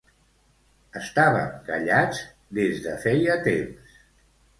Estàvem callats des de feia temps.